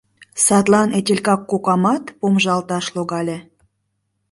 Садлан Этелька кокамат помыжалташ логале.